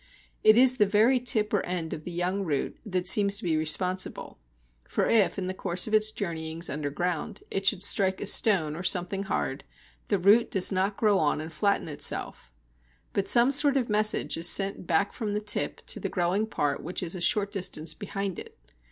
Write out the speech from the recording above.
It is the very tip or end of the young root that seems to be responsible; for if, in the course of its journeyings underground, it should strike a stone or something hard, the root does not grow on and flatten itself. But some sort of message is sent back from the tip to the growing part which is a short distance behind it.